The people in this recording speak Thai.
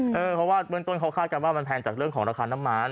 เพราะว่าเบื้องต้นเขาคาดกันว่ามันแพงจากเรื่องของราคาน้ำมัน